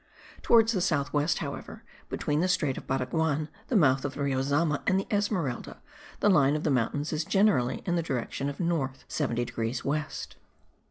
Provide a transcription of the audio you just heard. Towards the south west, however (between the strait of Baraguan, the mouth of the Rio Zama and the Esmeralda), the line of the mountains is generally in the direction of north 70 degrees west.